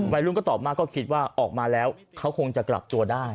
วัยรุ่นก็ตอบมากก็คิดว่าออกมาแล้วเขาคงจะกลับตัวได้